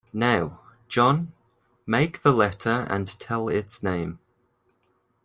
Now, John, make the letter and tell its name.